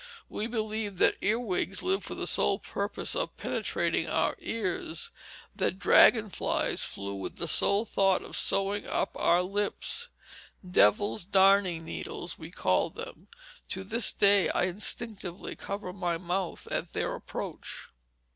We believed that earwigs lived for the sole purpose of penetrating our ears, that dragon flies flew with the sole thought of sewing up our lips devil's darning needles we called them. To this day I instinctively cover my mouth at their approach.